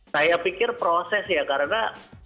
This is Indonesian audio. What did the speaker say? saya pikir proses ya karena